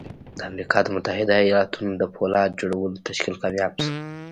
د امريکا د متحده ايالتونو د پولاد جوړولو تشکيل کامياب شو.